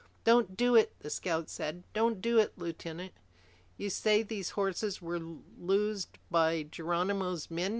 "Don't do it!" the scout said. "Don't do it, Lieutenant!" "You say these horses were loosed by Geronimo's men?"